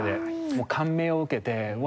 もう感銘を受けてうわ